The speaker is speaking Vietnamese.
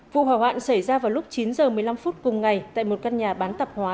vụ hỏa hoạn xảy ra vào lúc chín h một mươi năm phút cùng ngày tại một căn nhà bán tạp hóa